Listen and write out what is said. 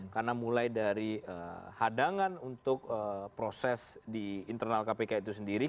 karena mulai dari hadangan untuk proses di internal kpk itu sendiri